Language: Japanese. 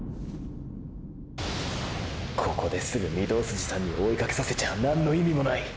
ここですぐ御堂筋さんに追いかけさせちゃあ何の意味もない。